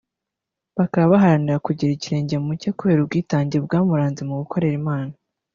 Jeunesse Adventiste) bakaba baharanira kugera ikirenge mu cye kubera ubwitange bwamuranze mu gukorera Imana